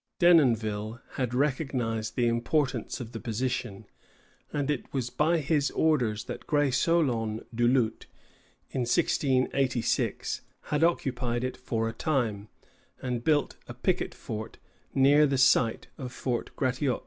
Denonville had recognized the importance of the position, and it was by his orders that Greysolon Du Lhut, in 1686, had occupied it for a time, and built a picket fort near the site of Fort Gratiot.